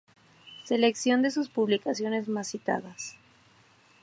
Selección de sus publicaciones más citadasː